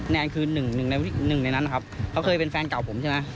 แนนคือหนึ่งในนั้นเขาเคยเป็นแฟนเก่าผมใช่ไหม